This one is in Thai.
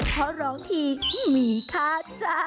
เพราะร้องทีมีค่าจ๊ะ